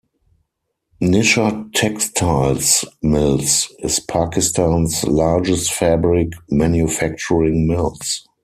"Nishat Textiles Mills" is Pakistan's largest fabric manufacturing mills.